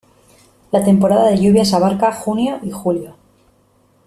La temporada de lluvias abarca junio y julio.